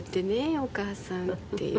お母さんっていう。